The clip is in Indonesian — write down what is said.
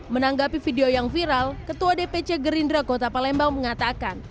menanggapi video yang viral ketua dpc gerindra kota palembang mengatakan